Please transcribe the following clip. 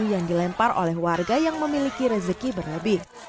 yang dilempar oleh warga yang memiliki rezeki berlebih